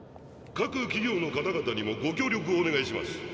各企業の方々にもご協力をお願いします。